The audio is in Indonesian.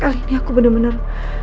ah ini aku benar benar